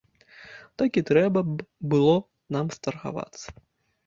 Такі трэба б было нам старгавацца.